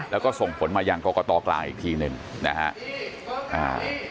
แล้วก็ส่งผลมายังกรกตกลางอีกทีหนึ่งนะฮะ